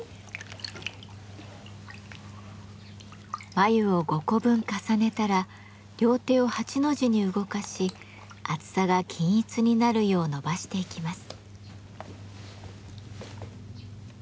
繭を５個分重ねたら両手を八の字に動かし厚さが均一になるよう伸ばしていきます。